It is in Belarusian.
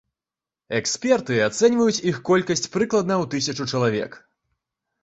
Эксперты ацэньваюць іх колькасць прыкладна ў тысячу чалавек.